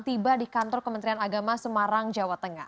tiba di kantor kementerian agama semarang jawa tengah